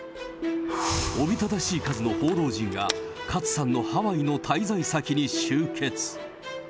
おびただしい数の報道陣が、勝さんのハワイの滞在先に集結。